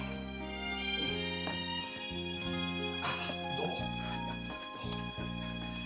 どうも。